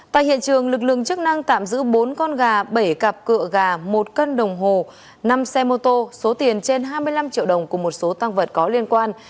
tại hiện trường lực lượng chức năng tạm giữ bốn con gà bảy cặp cựa gà một cân đồng hồ năm xe mô tô số tiền trên hai mươi năm triệu đồng cùng một số tăng vật có liên quan